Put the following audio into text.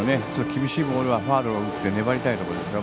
厳しいボールはファウルを打って粘りたいところですね